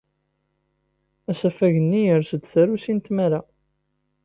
Asafag-nni yers-d tarusi n tmara.